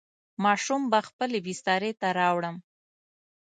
ماشوم به خپلې بسترې ته راوړم.